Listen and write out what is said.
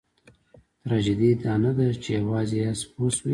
تراژیدي دا نه ده چې یوازې یاست پوه شوې!.